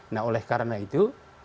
nah oleh karena itu